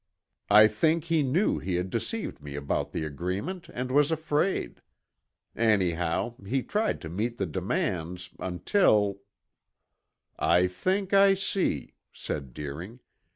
I think he knew he had deceived me about the agreement and was afraid. Anyhow, he tried to meet the demands, until " "I think I see," said Deering.